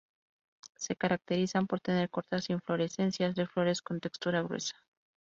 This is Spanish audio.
Se caracterizan por tener cortas inflorescencias de flores con textura gruesa.